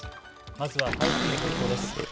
まずは台風の情報です。